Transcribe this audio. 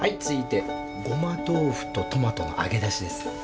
続いてゴマ豆腐とトマトの揚げだしです。